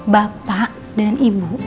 bapak dan ibu